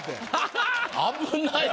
危ない。